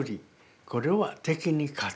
これは敵に勝つ。